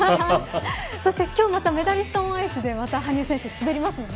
そして今日またメダリスト・オン・アイスで羽生選手、滑りますものね。